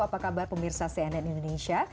apa kabar pemirsa cnn indonesia